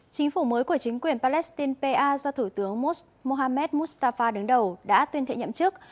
chính phủ mới của chính quyền palestine pa do thủ tướng mos mohammed mustafa đứng đầu đã tuyên thệ nhậm chức